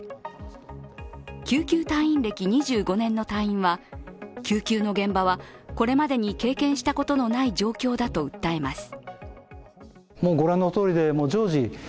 救急隊員歴２５年の隊員は救急の現場はこれまでに経験したことのない状況だと訴えます。